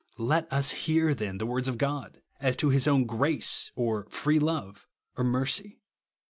Let us hear, then, the words of God as to his own "grace," or "free love," o?' " mercy."